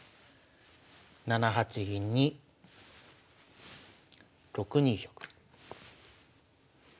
７八銀に６二玉。